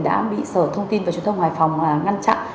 đã bị sở thông tin và truyền thông hải phòng ngăn chặn